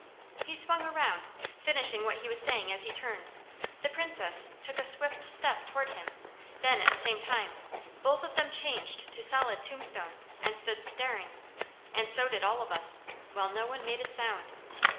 He swung around, finishing what he was saying as he turned, the Princess took a swift step toward him, then, at the same time, both of them changed to solid tombstone, and stood staring, and so did all of us, while no one made a sound.